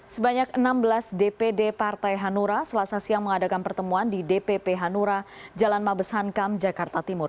sebanyak enam belas dpd partai hanura selasa siang mengadakan pertemuan di dpp hanura jalan mabes hankam jakarta timur